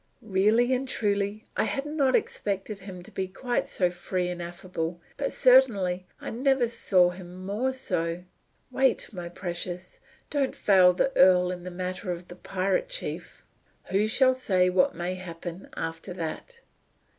Really and truly I had not expected him to be quite so free and affable, but certainly I never saw him more so. Wait, my precious. Don't fail the earl in the matter of the pirate chief. Who shall say what may happen after that?"